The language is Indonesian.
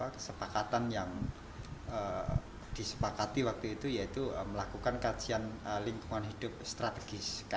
kesepakatan yang disepakati waktu itu yaitu melakukan kajian lingkungan hidup strategis